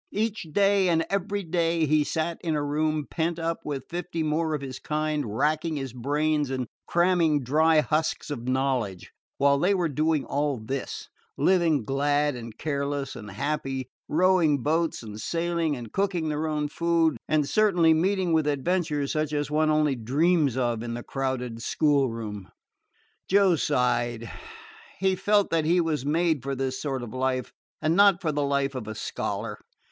Each day and every day he sat in a room, pent up with fifty more of his kind, racking his brains and cramming dry husks of knowledge, while they were doing all this, living glad and careless and happy, rowing boats and sailing, and cooking their own food, and certainly meeting with adventures such as one only dreams of in the crowded school room. Joe sighed. He felt that he was made for this sort of life and not for the life of a scholar.